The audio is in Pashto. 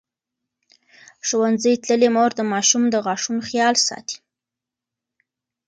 ښوونځې تللې مور د ماشوم د غاښونو خیال ساتي.